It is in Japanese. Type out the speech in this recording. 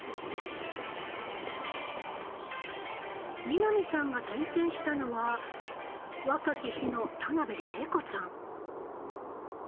南さんが転生したのは若き日の田辺聖子さん。